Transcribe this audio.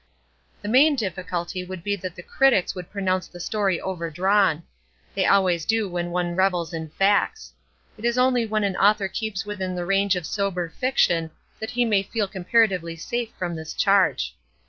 The main difficulty would be that the critics would pronounce the story overdrawn. They always do when one revels in facts. It is only when an author keeps within the range of sober fiction that he may feel comparatively safe from this charge.